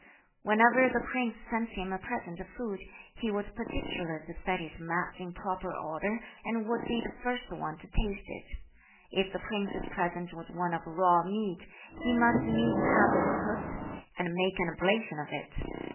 Whenever the prince sent him a present of food, he was particular to set his mat in proper order, and would be the first one to taste it. If the prince's present was one of raw meat, he must needs have it cooked, and make an oblation of it.